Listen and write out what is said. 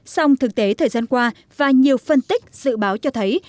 song thực tế thời gian qua và nhiều phân tích dự báo cho thấy